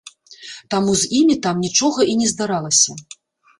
Таму з імі там нічога і не здаралася.